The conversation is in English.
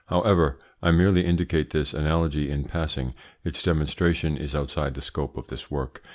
However, I merely indicate this analogy in passing; its demonstration is outside the scope of this work.